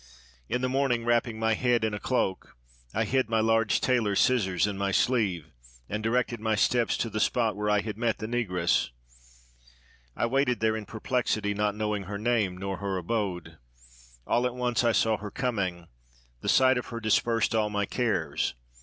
In the morning, wrapping my head in a cloak, I hid my large tailor's scissors in my sleeve, and directed my steps to the spot where I had met the Ne 514 HAROUN AL RASHID AND THE MUSICIAN gress. I waited there in perplexity, not knowing her name nor her abode. All at once I saw her coming; the sight of her dispersed all my cares.